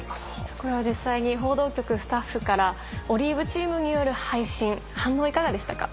これは実際に報道局スタッフからＯＬＩＶＥチームによる配信反応はいかがでしたか？